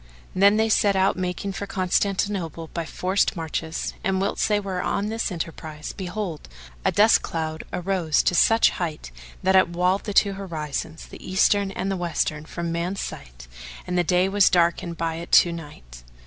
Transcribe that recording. Then they set out making for Constantinople by forced marches, and whilst they were on this enterprise, behold, a dust cloud arose to such height that it walled the two horizons, the eastern and the western, from man's sight and the day was darkened by it to night.